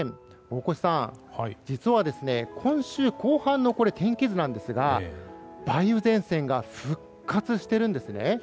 大越さん、実はこれ今週後半の天気図なんですが梅雨前線が復活しているんですね。